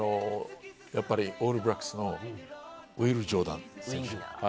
オールブラックスのウィル・ジョーダン選手。